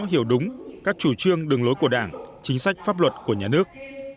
hiểu đúng các chủ trương đường lối của đảng chính sách pháp luật của nhà nước